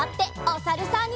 おさるさん。